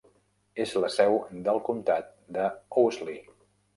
És la seu del comtat de Owsley.